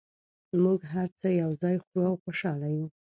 موږ هر څه یو ځای خورو او خوشحاله یو